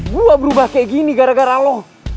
gue berubah kayak gini gara gara lo